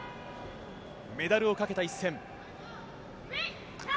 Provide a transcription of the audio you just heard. メダルをかけた一戦。